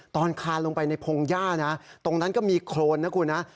ตอนคานลงไปในพงหญ้านะตรงนั้นก็มีโครนนะคุณนะ